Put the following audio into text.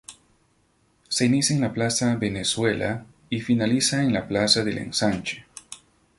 Se inicia en la plaza Venezuela y finaliza en la plaza del Ensanche.